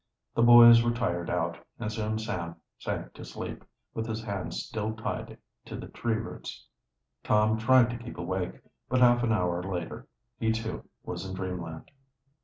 The boys were tired out, and soon Sam sank to sleep, with his hands still tied to the tree roots. Tom tried to keep awake, but half an hour later he, too, was in dreamland.